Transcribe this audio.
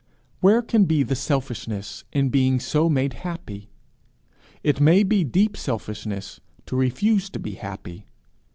Where can be the selfishness in being so made happy? It may be deep selfishness to refuse to be happy.